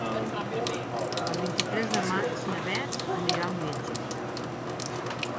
El vint-i-tres de maig na Beth anirà al metge.